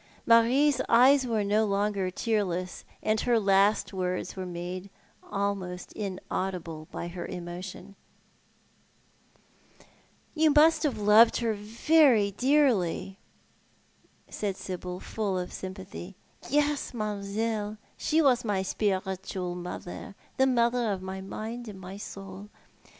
Marie's eyes were no longer tearless, and her last words were made almost inaudible by her emotion symprthy"""'* """""'""'^'^^'''' clearly," said Sibyl, full of " Yes, mam'selle she was my spiritual mother, the mother of my mmd and soul.